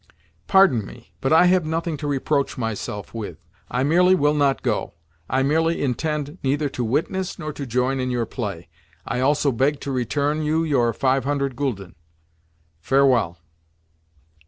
"Pardon me, but I have nothing to reproach myself with. I merely will not go. I merely intend neither to witness nor to join in your play. I also beg to return you your five hundred gülden. Farewell."